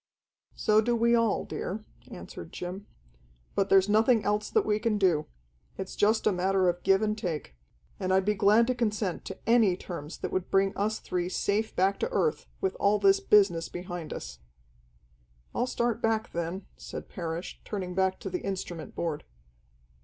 "So do we all, dear," answered Jim. "But there's nothing else that we can do. It's just a matter of give and take. And I'd be glad to consent to any terms that would bring us three safe back to earth, with all this business behind us." "I'll start back, then," said Parrish, turning back to the instrument board.